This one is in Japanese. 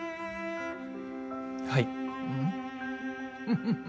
はい。